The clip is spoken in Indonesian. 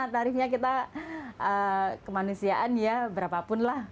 tarifnya kita kemanusiaan ya berapapun lah